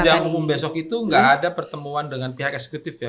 sidang umum besok itu nggak ada pertemuan dengan pihak eksekutif ya